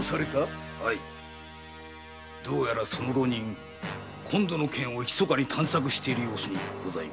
どうやらその浪人今度の件をひそかに探索している様子にございます。